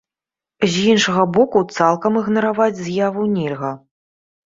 З іншага боку, цалкам ігнараваць з'яву нельга.